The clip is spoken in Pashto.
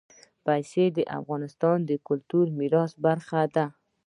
پسه د افغانستان د کلتوري میراث برخه ده.